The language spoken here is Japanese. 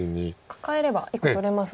カカえれば１個取れますね。